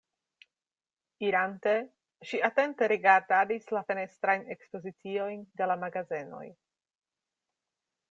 Irante, ŝi atente rigardadis la fenestrajn ekspoziciojn de la magazenoj.